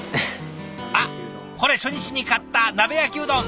あっこれ初日に買った鍋焼きうどん！